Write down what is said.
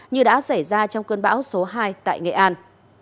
như đã xảy ra trong cơn bão số hai tại nghệ an